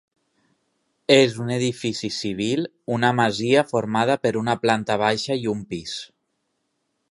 És un edifici civil, una masia formada per una planta baixa i un pis.